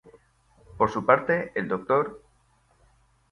Por su parte, el Dr.